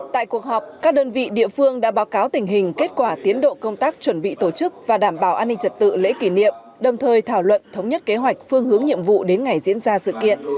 tại cuộc họp các đơn vị địa phương đã báo cáo tình hình kết quả tiến độ công tác chuẩn bị tổ chức và đảm bảo an ninh trật tự lễ kỷ niệm đồng thời thảo luận thống nhất kế hoạch phương hướng nhiệm vụ đến ngày diễn ra sự kiện